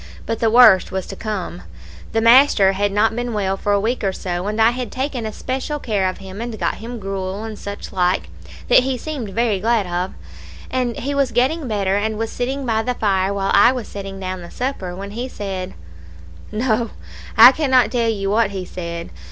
But the worst was to come. "The master had not been well for a week or so, and I had taken especial care of him, and got him gruel and such like, that he seemed very glad of; and he was getting better, and was sitting by the fire while I was setting down the supper, when he said No, I cannot tell you what he said.